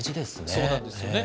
そうなんですよね。